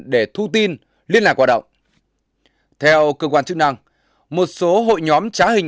để thu tin liên lạc hoạt động theo cơ quan chức năng một số hội nhóm trá hình